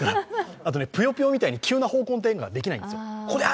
あとね、ぷよぷよみたいに急な方向転換、できないんですよ。